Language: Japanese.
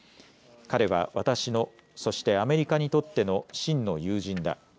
彼は私の、そしてアメリカにとっての真の友人だ。